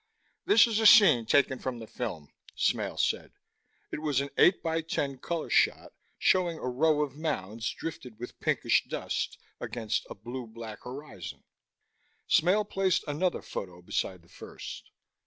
"This is a scene taken from the film," Smale said. It was an 8x10 color shot, showing a row of mounds drifted with pinkish dust, against a blue black horizon. Smale placed another photo beside the first.